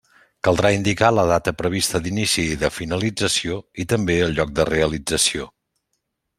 Caldrà indicar la data prevista d'inici i de finalització, i també el lloc de realització.